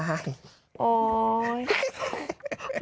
โอ้โฮหิวได้